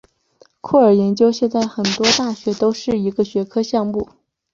酷儿研究现在在很多大学都是一个学科项目。